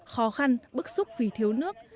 khó khăn bức xúc vì thiếu nước